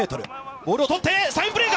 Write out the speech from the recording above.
ボールを取って、サインプレーか。